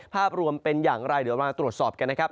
ภาพรวมเป็นอย่างไรเดี๋ยวมาตรวจสอบกันนะครับ